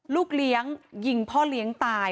ลูกเลี้ยงยิงพ่อเลี้ยงตาย